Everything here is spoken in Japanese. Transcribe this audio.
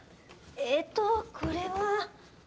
えっとこれは。